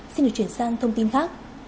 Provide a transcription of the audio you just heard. xin được chuyển sang thông tin khác